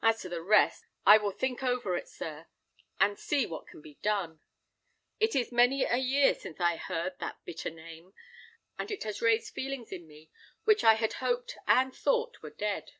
As to the rest, I will think over it, sir, and see what can be done. It is many a year since I heard that bitter name, and it has raised feelings in me which I had hoped and thought were dead.